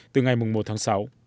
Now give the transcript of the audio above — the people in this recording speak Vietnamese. từ ngày một tháng sáu